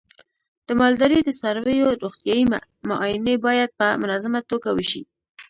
د مالدارۍ د څارویو روغتیايي معاینې باید په منظمه توګه وشي.